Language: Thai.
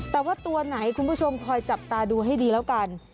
แต่ว่าตัวไหนคุณผู้ชมคอยจับตาดูให้ดีแล้วกัน